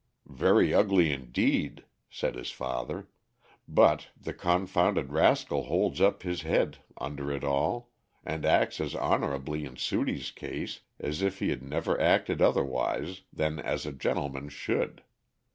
"Very ugly, indeed," said his father; "but the confounded rascal holds up his head under it all, and acts as honorably in Sudie's case as if he had never acted otherwise than as a gentleman should.